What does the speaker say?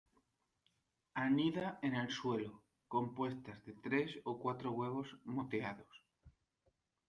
Anida en el suelo, con puestas de tres o cuatro huevos moteados.